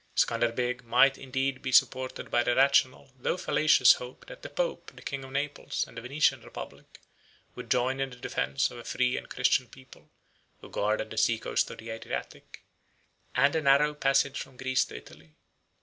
Scanderbeg might indeed be supported by the rational, though fallacious, hope, that the pope, the king of Naples, and the Venetian republic, would join in the defence of a free and Christian people, who guarded the sea coast of the Adriatic, and the narrow passage from Greece to Italy.